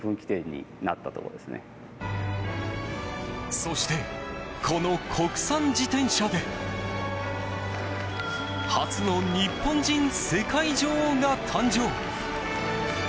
そして、この国産自転車で初の日本人世界女王が誕生。